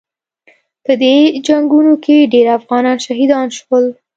په دې جنګونو کې ډېر افغانان شهیدان شول.